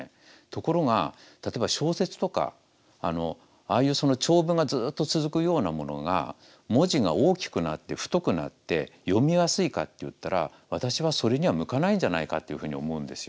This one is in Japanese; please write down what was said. ところが例えば小説とかああいう長文がずっと続くようなものが文字が大きくなって太くなって読みやすいかっていったら私はそれには向かないんじゃないかっていうふうに思うんですよ。